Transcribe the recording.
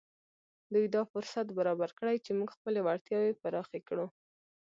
دوی دا فرصت برابر کړی چې موږ خپلې وړتياوې پراخې کړو.